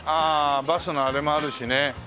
バスのあれもあるしね。